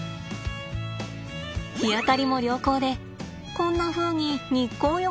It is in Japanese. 日当たりも良好でこんなふうに日光浴もできます。